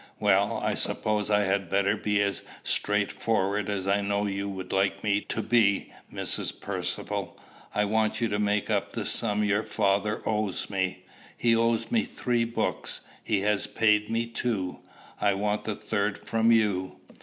"Well, I suppose I had better be as straightforward as I know you would like me to be, Mrs. Percivale. I want you to make up the sum your father owes me. He owed me three books; he has paid me two. I want the third from you."